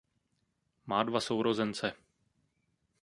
Má dva sourozence.